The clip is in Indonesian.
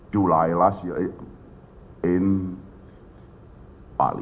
juli tahun lalu di bali